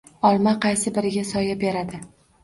Olma qaysi biriga soya beradi?